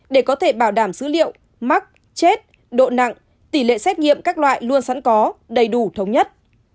để có thể bảo đảm dữ liệu mắc chết độ nặng tỷ lệ xét nghiệm các loại luôn sẵn có đầy đủ thống nhất